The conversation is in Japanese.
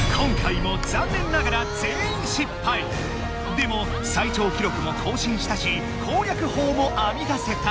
今回もでも最長記録も更新したし攻略法もあみ出せた！